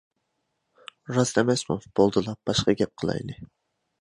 — راست ئەمەسمۇ؟ — بولدىلا، باشقا گەپ قىلايلى.